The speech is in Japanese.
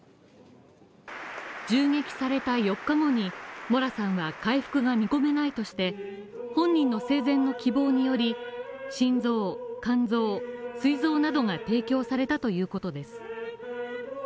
銃撃された４日後にモラさんは回復が見込めないとして本人の生前の希望により心臓、肝臓、膵臓などが提供されたということです。